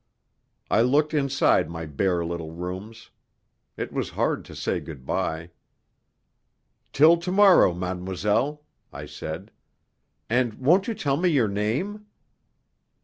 I looked inside my bare little rooms. It was hard to say good by. "Till to morrow, mademoiselle," I said. "And won't you tell me your name?"